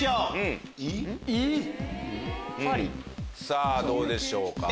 さぁどうでしょうか？